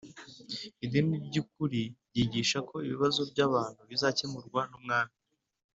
Idini ry ukuri ryigisha ko ibibazo by abantu bizakemurwa n ubwami